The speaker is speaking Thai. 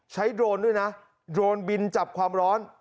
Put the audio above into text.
โดรนด้วยนะโดรนบินจับความร้อน